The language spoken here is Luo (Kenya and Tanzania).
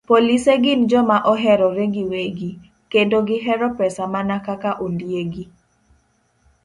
Polise gin joma oherore giwegi, kendo gihero pesa mana kaka ondiegi.